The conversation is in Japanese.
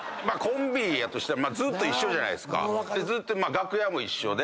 楽屋も一緒で。